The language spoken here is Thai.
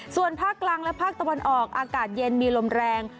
ส่วนภาคกลางและภาคตะวันออกอากาศเย็นมีลมแรง